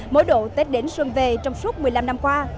mỗi độ tết đến xuân về trong suốt một mươi năm năm qua